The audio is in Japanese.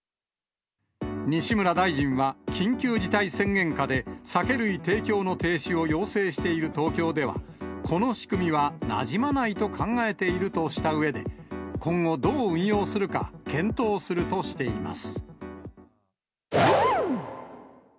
西村大臣は緊急事態宣言下で、酒類提供の停止を要請している東京では、この仕組みはなじまないと考えているとしたうえで、今後、どう運用するか検討するとしています。